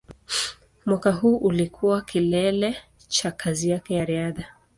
Mwaka huo ulikuwa kilele cha kazi yake ya riadha.